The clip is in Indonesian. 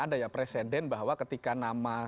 ada ya presiden bahwa ketika nama